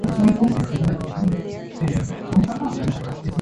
The absence of the repressor allows the transcription of the "lac" operon to proceed.